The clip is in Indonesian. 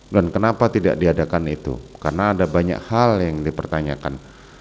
dan kenapa tidak diadakan itu karena ada banyak hal yang dipertanyakan